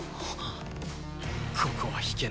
ここは引けない。